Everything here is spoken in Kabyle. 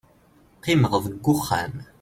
qqimeɣ deg uxxam